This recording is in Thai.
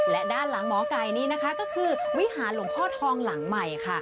และด้านหลังหมอไก่นี้นะคะก็คือวิหารหลวงพ่อทองหลังใหม่ค่ะ